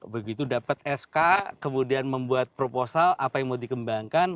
begitu dapat sk kemudian membuat proposal apa yang mau dikembangkan